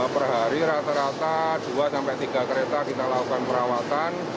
per hari rata rata dua sampai tiga kereta kita lakukan perawatan